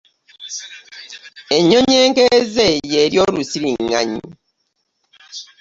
Ennyonyi enkeeze yerya olusirigganyi.